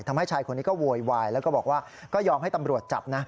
ทำให้ชายคนนี้ก็โวยวายแล้วก็บอกว่าก็ยอมให้ตำรวจจับนะ